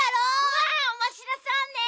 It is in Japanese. わあおもしろそうね。